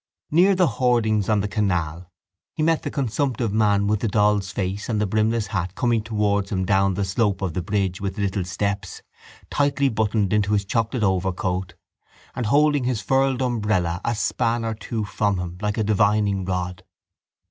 Near the hoardings on the canal he met the consumptive man with the doll's face and the brimless hat coming towards him down the slope of the bridge with little steps, tightly buttoned into his chocolate overcoat, and holding his furled umbrella a span or two from him like a divining rod.